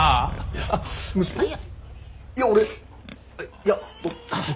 いや俺いやぼ